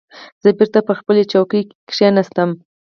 زه بېرته پر خپلې چوکۍ کېناستم.